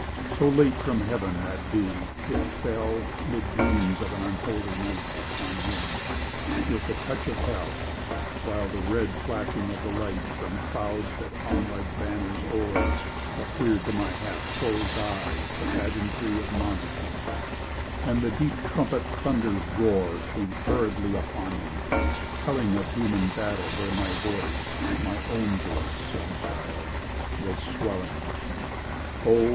So late from Heaven—that dew—it fell ('Mid dreams of an unholy night) Upon me—with the touch of Hell, While the red flashing of the light From clouds that hung, like banners, o'er, Appeared to my half closing eye The pageantry of monarchy, And the deep trumpet thunder's roar Came hurriedly upon me, telling Of human battle, where my voice, My own voice, silly child!—was swelling (O!